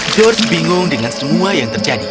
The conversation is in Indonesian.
george bingung dengan semua yang terjadi